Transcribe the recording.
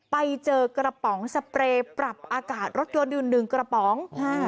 ไปเจอกระป๋องสเปรย์ปรับอากาศรถยนต์อยู่หนึ่งกระป๋อง